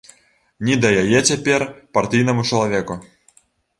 Ні да яе цяпер партыйнаму чалавеку.